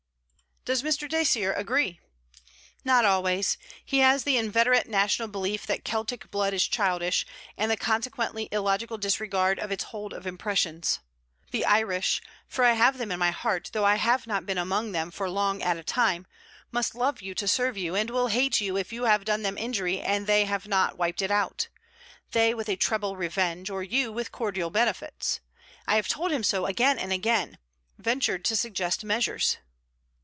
'Does Mr. Dacier agree?' 'Not always. He has the inveterate national belief that Celtic blood is childish, and the consequently illogical disregard of its hold of impressions. The Irish for I have them in my heart, though I have not been among them for long at a time must love you to serve you, and will hate you if you have done them injury and they have not wiped it out they with a treble revenge, or you with cordial benefits. I have told him so again and again: ventured to suggest measures.'